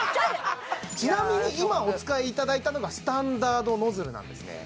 ちなみに今お使いいただいたのがスタンダードノズルなんですね